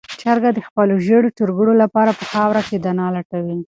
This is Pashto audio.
چرګه د خپلو ژېړو چرګوړو لپاره په خاوره کې دانه لټوي.